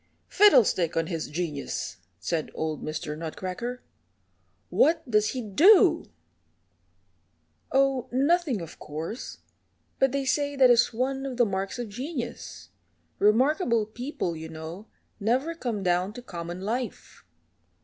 "Fiddlestick on his genius!" said old Mr. Nutcracker; "what does he do?" "Oh, nothing, of course, but they say that is one of the marks of genius. Remarkable people, you know, never come down to common life."